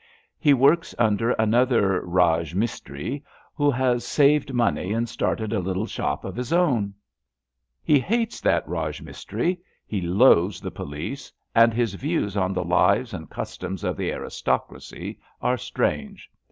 He works under another Raj mistri, who has saved money and started a little shop of his own. He hates that Raj mistri; he loathes the police; and his views on the lives 206 ABAFT THE FUNNEL and customs of the aristocracy are strange.